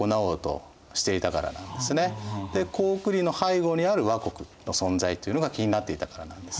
高句麗の背後にある倭国の存在っていうのが気になっていたからなんです。